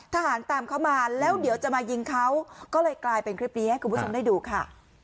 ทหารตามเขามาแล้วเดี๋ยวจะมายิงเขาก็เลยกลายเป็นคลิปนี้ให้คุณผู้ชมได้ดูค่ะ